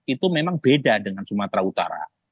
itu memang beda dengan sumatera utara